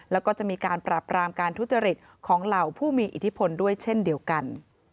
แล้วก็จะมีการปรับรามการทุจริตของเหล่าผู้มีอิทธิพลด้วยเช่นเดียวกัน